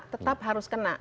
tetap harus kena